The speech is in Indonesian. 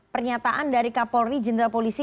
pernyataan dari kapolri jenderal polisi